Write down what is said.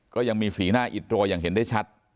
ก็ยังมีสีหน้าอิดโรยอย่างเห็นได้ชัด